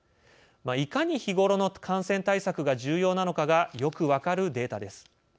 いかに日頃の感染対策が重要なのかがよく分かるデータです。